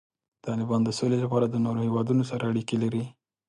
طالبان د سولې لپاره د نورو هیوادونو سره اړیکې لري.